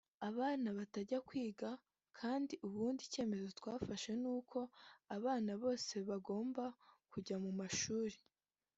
abana batajya kwiga kandi ubundi icyemezo twafashe ni uko abana bose bagomba kujya mu mashuri